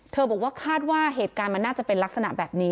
บอกว่าคาดว่าเหตุการณ์มันน่าจะเป็นลักษณะแบบนี้